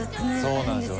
そうなんですよね。